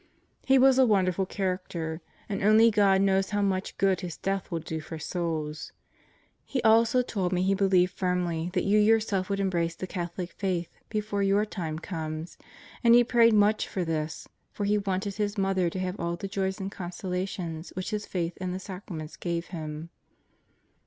He was a wonderful character and only God knows how much good his death will do for souls. He also told me he believed firmly that you yourself would embrace the Catholic Faith before your time comes, and he prayed much for this for he wanted his mother to have all the joys and consolations which his Faith and the sacra ments gave him.